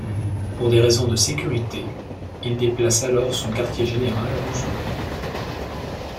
Pour des raisons de sécurité, il déplace alors son quartier-général à Vesoul.